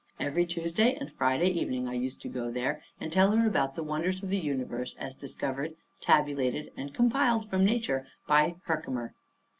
Every Tuesday and Friday evening I used to go there and tell her about the wonders of the universe as discovered, tabulated, and compiled from nature by Herkimer.